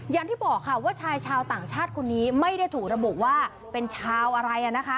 อย่างที่บอกค่ะว่าชายชาวต่างชาติคนนี้ไม่ได้ถูกระบุว่าเป็นชาวอะไรนะคะ